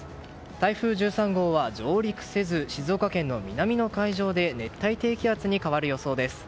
台風１３号は上陸せず静岡県の南の海上で熱帯低気圧に変わる予想です。